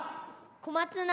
小松菜。